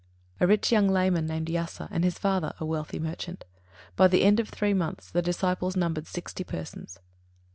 A rich young layman, named Yasa, and his father, a wealthy merchant. By the end of three months the disciples numbered sixty persons.